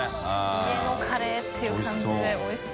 家のカレーっていう感じでおいしそう！